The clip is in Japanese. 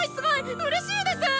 うれしいです！